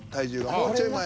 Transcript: もうちょい前。